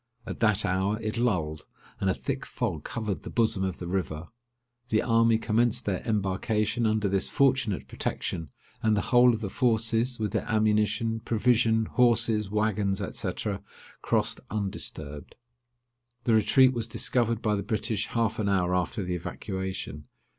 At that hour it lulled, and a thick fog covered the bosom of the river. The army commenced their embarkation under this fortunate protection; and the whole of the forces, with their ammunition, provision, horses, waggons, &c. crossed undisturbed. The retreat was discovered by the British half an hour after the evacuation.